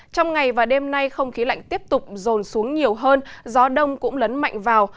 trong ngày và đêm nay không khí lạnh tiếp tục rồn xuống nhiều hơn gió đông cũng lấn mạnh vào